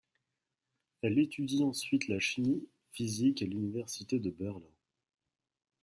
Elle étudie ensuite la chimie physique à l'université de Berlin.